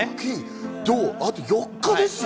あと４日ですよ？